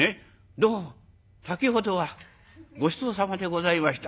『どうも先ほどはごちそうさまでございました』。